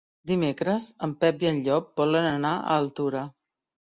Dimecres en Pep i en Llop volen anar a Altura.